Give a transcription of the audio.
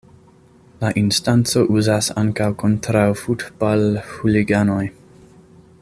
La instanco uzas ankaŭ kontraŭ futbal-huliganoj.